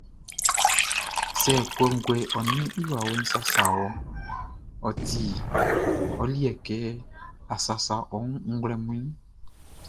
Sɛ kɔnguɛʼn ɔ ninʼn i wawɛʼn sasa wɔʼn, ɔ ti ɔ liɛ kɛ a sasa ɔ wun nglɛmun nunʼn.